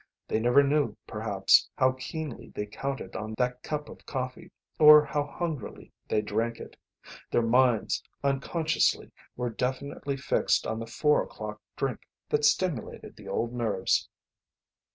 They never knew, perhaps, how keenly they counted on that cup of coffee, or how hungrily they drank it. Their minds, unconsciously, were definitely fixed on the four o'clock drink that stimulated the old nerves.